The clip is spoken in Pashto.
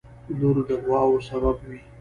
• لور د دعاوو سبب وي.